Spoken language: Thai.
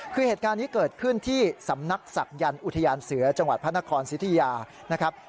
คือเหตุการณ์นี้เกิดขึ้นที่สำนักศักยันต์อุทยานเสือจังหวัดพระนครสิทธิยานะครับ